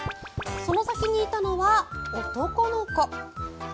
その先にいたのは男の子。